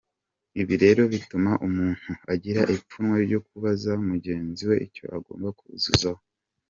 Ibi rero bituma umuntu agira ipfunwe ryo kubaza mugenzi we icyo agomba kuzuzaho.